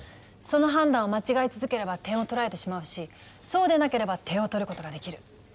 その判断を間違え続ければ点を取られてしまうしそうでなければ点を取ることができる。